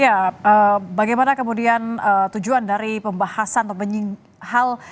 ya bagaimana kemudian tujuan dari pembahasan atau menying hal